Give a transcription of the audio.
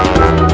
mari kita banget